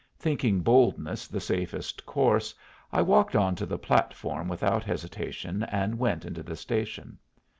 Thinking boldness the safest course, I walked on to the platform without hesitation, and went into the station.